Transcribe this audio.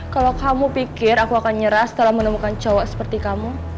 kalau kamu pikir aku akan nyerah setelah menemukan cowok seperti kamu